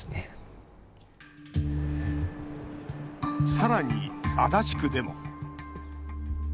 さらに、足立区でも。